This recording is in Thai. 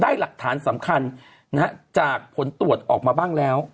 หลักฐานสำคัญจากผลตรวจออกมาบ้างแล้ว